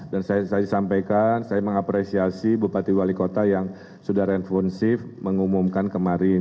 dan saya sampaikan saya mengapresiasi bupati wali kota yang sudah renfungsif mengumumkan kemarin